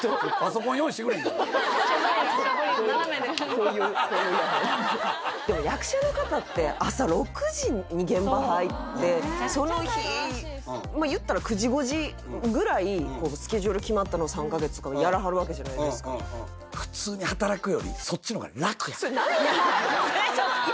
こういうこういうでも役者の方って朝６時に現場入ってその日言ったら９時５時ぐらいスケジュール決まったのを３カ月とかやらはるわけじゃないですか普通に働くよりそれ何やねん！